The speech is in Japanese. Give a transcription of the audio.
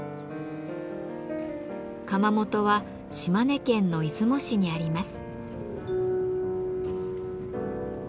窯元は島根県の出雲市にあります。